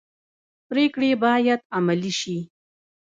پریکړې باید عملي شي